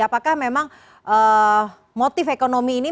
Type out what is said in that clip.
apakah motif ekonomi ini